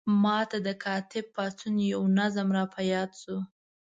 ما ته د کاتب پاڅون یو نظم را په یاد شو.